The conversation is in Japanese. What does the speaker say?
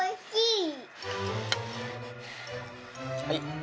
はい。